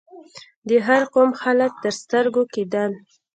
د هر قوم خلک تر سترګو کېدل.